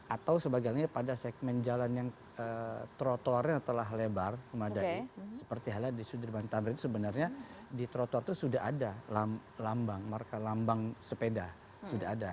atau sebagainya pada segmen jalan yang trotoarnya telah lebar memadai seperti halnya di sudirman tamrin sebenarnya di trotoar itu sudah ada lambang marka lambang sepeda sudah ada